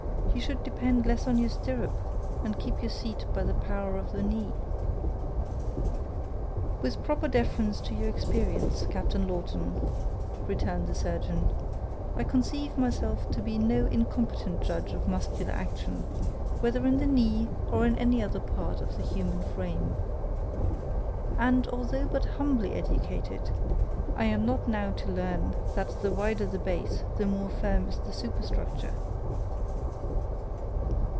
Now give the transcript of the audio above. You should depend less on your stirrup, and keep your seat by the power of the knee." "With proper deference to your experience, Captain Lawton," returned the surgeon, "I conceive myself to be no incompetent judge of muscular action, whether in the knee, or in any other part of the human frame. And although but humbly educated, I am not now to learn that the wider the base, the more firm is the superstructure."